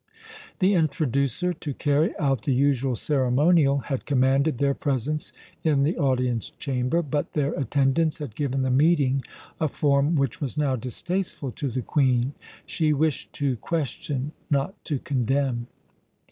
The "introducer," to carry out the usual ceremonial, had commanded their presence in the audience chamber, but their attendance had given the meeting a form which was now distasteful to the Queen. She wished to question, not to condemn.